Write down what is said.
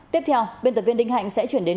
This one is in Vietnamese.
tiếp theo biên tập viên đinh hạnh sẽ chuyển đến